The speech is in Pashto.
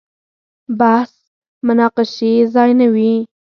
بحث مناقشې ځای نه وي.